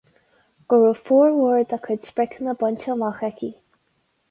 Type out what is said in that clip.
Go raibh formhór dá cuid spriocanna bainte amach aici.